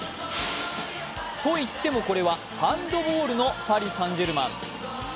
といっても、これはハンドボールのパリ・サン＝ジェルマン。